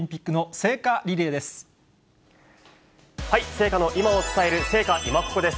聖火の今を伝える、聖火いまココっ！です。